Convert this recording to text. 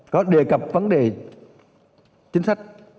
có đề cập vấn đề chính sách